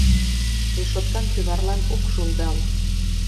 Решоткан кӱварлан ок шулдал.